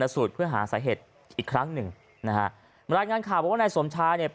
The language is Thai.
สูตรเพื่อหาสาเหตุอีกครั้งหนึ่งนะฮะบรรยายงานข่าวบอกว่านายสมชายเนี่ย